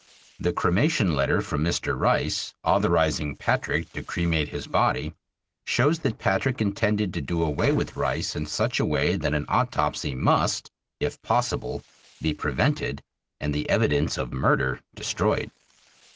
The cremation letter from Mr. Rice, authorizing Patrick to cremate his body, shows that Patrick intended to do away with Rice in such a way that an autopsy must, if possible, be prevented and the evidence of murder destroyed.